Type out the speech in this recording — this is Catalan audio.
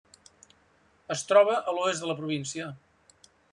Es troba a l'oest de la província.